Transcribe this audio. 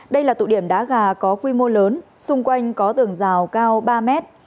đây là tụ điểm đá gà có quy mô lớn xung quanh có tường rào cao ba mét